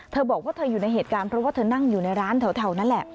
เธอบอกว่าเธออยู่ในเหตุการณ์เพราะว่าเธอนั่งอยู่ในร้านแถวนั้นแหละ